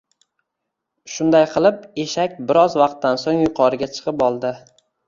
Shunday qilib, eshak biroz vaqtdan soʻng yuqoriga chiqib oldi